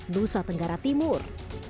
nusa tenggara timur